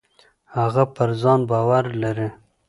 هغه پر ځان باور لري.